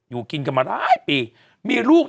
อยู่กินกันมาหลายปี